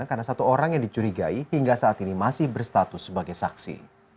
karena satu orang yang dicurigai hingga saat ini masih berstatus sebagai saksi